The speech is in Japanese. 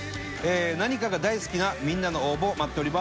何かが大好きなみんなの応募を待っております。